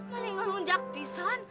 saya nangis pendantes p sculptur misal